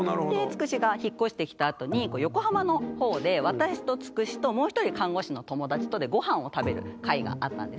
つくしが引っ越してきたあとに横浜の方で私とつくしともう１人看護師の友達とでごはんを食べる会があったんですね。